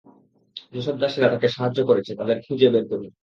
যেসব দাসেরা তাকে সাহায্য করেছে, তাদেরকে খুঁজে বের করুন।